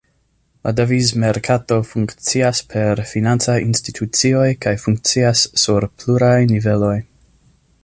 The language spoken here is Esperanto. La devizmerkato funkcias per financaj institucioj kaj funkcias sur pluraj niveloj.